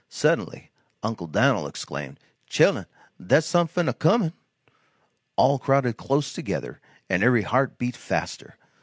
Suddenly Uncle Dan'l exclaimed: "Chil'en, dah's sum fin a comin!" All crowded close together and every heart beat faster.